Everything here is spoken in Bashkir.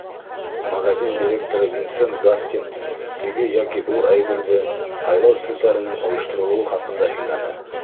Магазин директоры Винсент Гастин теге йәки был әйберҙе һайлау селтәренең ойошторолоуы хаҡында һөйләне.